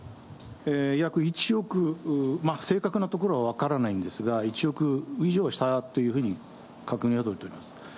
約１億、正確なところは分からないんですが、１億以上したというふうに確認は取れております。